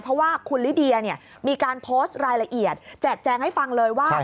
เพราะว่าคุณลิเดียมีการโพสต์รายละเอียดแจกแจงให้ฟังเลยว่า